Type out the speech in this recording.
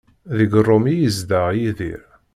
Deg Rome i yezdeɣ Yidir.